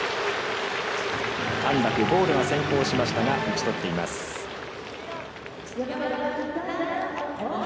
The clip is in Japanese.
安樂、ボールが先行しましたが打ち取っています。